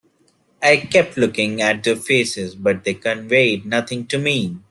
I kept looking at their faces, but they conveyed nothing to me.